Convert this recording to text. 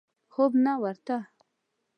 خوب نه ورته.